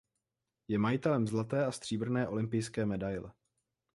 Je majitelem zlaté a stříbrné olympijské medaile.